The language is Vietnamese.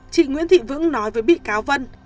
chị nguyễn thị vững nói với bị cáo vân